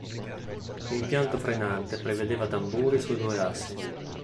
L'impianto frenante prevedeva tamburi sui due assi.